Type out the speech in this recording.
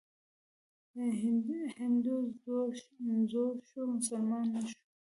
هندو زوړ شو، مسلمان نه شو.